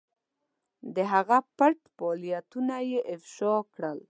د هغه پټ فعالیتونه یې افشا کړل.